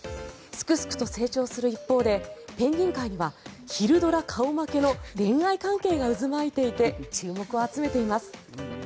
すくすくと成長する一方でペンギン界には昼ドラ顔負けの恋愛関係が渦巻いていて注目を集めています。